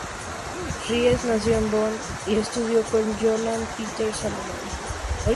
Ries nació en Bonn y estudió con Johann Peter Salomon.